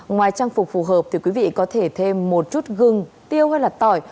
ngoài trang phục phù hợp thì quý vị có thể thêm một chút gừng tiêu hay là tỏi